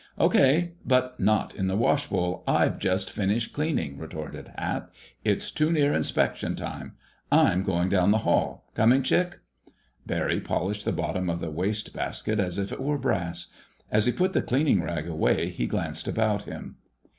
"Okay—but not in the washbowl I've just finished cleaning!" retorted Hap. "It's too near inspection time. I'm going down the hall.... Coming, Chick?" Barry polished the bottom of the waste basket as if it were brass. As he put the cleaning rag away, he glanced about him.